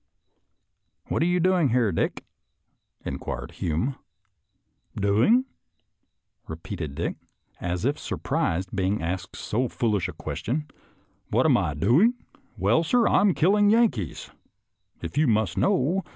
" What are you doing here, Dick ?" inquired Hume. " Doing.!' " repeated Dick, as if surprised at be ing asked so foolish a question, " what am I do ing? Well, sir, I'm killing Yankees, if you must know.